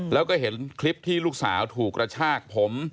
แล้วก็เห็นคลิปที่ลูกสาวถูกกระชากผม